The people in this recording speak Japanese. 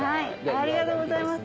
ありがとうございます。